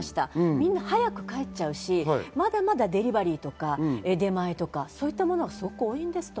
みんな早く帰っちゃうし、まだまだデリバリーとか出前とかそういったものがすごく多いんです。